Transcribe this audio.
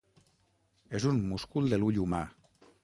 És un múscul de l'ull humà.